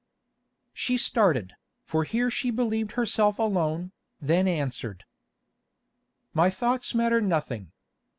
She started, for here she believed herself alone, then answered: "My thoughts matter nothing.